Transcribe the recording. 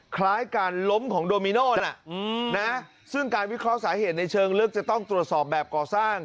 คล้ายการล้มของโดมิโน่น่ะนะซึ่งการวิเคราะห์สาเหตุในเชิงลึกจะต้องตรวจสอบแบบก่อสร้าง